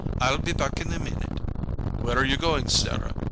I'll be back in a minute." "Where you going, Sarah?